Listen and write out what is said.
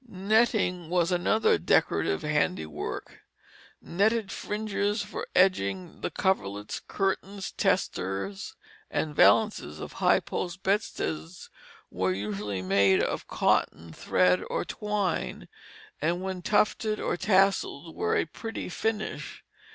Netting was another decorative handiwork. Netted fringes for edging the coverlets, curtains, testers, and valances of high post bedsteads were usually made of cotton thread or twine, and when tufted or tasselled were a pretty finish.